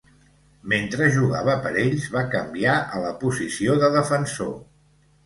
Mentre jugava per ells, va canviar a la posició de defensor.